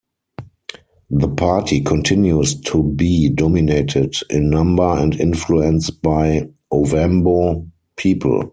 The party continues to be dominated in number and influence by Ovambo people.